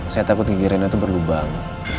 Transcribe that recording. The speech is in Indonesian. saya takut gigi rena itu berlubang